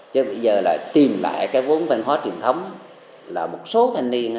chứ bây giờ là tìm lại cái vốn văn hóa truyền thống là một số thanh niên